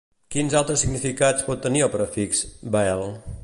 Quins altres significats pot tenir el prefix «bel-»?